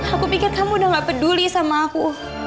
aku pikir kamu sudah tidak peduli sama aku